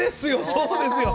そうですよ。